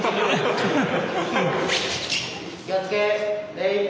気をつけ礼。